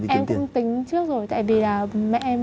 không em cũng tính trước rồi tại vì là mẹ em